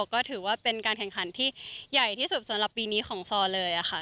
ก็ถือว่าเป็นการแข่งขันที่ใหญ่ที่สุดสำหรับปีนี้ของซอเลยค่ะ